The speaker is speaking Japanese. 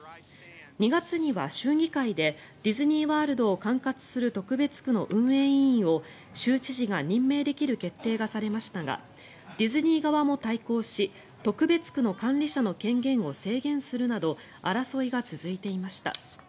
２月には州議会でディズニー・ワールドを管轄する特別区の運営委員を州知事が任命できる決定がされましたがディズニー側も対抗し特別区の管理者の権限を制限するなど争いが続いていました。